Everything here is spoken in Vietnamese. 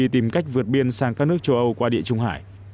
tìm cách vượt biên sang các nước châu âu qua địa trung hải